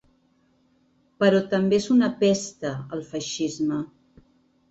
Però també és una pesta el feixisme.